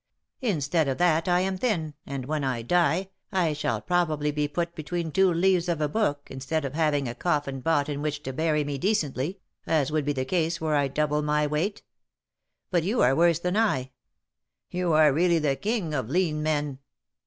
Instead of that, I am thin, and when I die, I shall probably be put between two leaves of a book, instead of having a coffin bought in which to bury me decently, as would be the case, were I double my weight. But you are worse than I ! You are really the King of Lean Men.